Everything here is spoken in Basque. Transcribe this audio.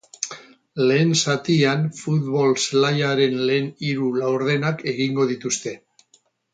Lehen zatian futbol zelaiaren lehen hiru laurdenak egingo dituzte.